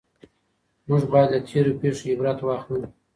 موږ بايد له تېرو پېښو عبرت واخلو.